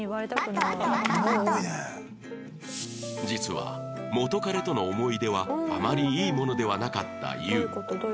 実は元彼との思い出はあまりいいものではなかったゆう